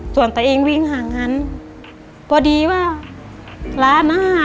ส่วนตัวเองวิ่งหางาน